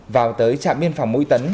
vào tới trạm biên phòng mũi tấn